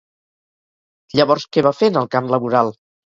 Llavors, què va fer en el camp laboral?